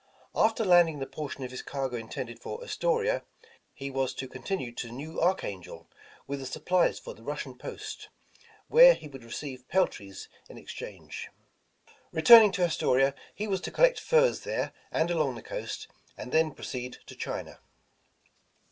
After landing the portion of his cargo intended for As toria, he was to continue to New Archangel with the supplies for the Russian post, where he would receive peltries in exchange. Returning to Astoria, he was to collect furs there and along the coast, and the proceed to China.